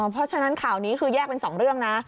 เพราะฉะนั้นข่าวนี้คือแยกเป็น๒เรื่องนะ